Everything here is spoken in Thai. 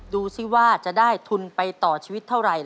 ดูสิว่าจะได้ทุนไปต่อชีวิตเท่าไหร่